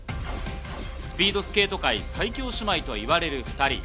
スピードスケート界最強姉妹といわれる２人。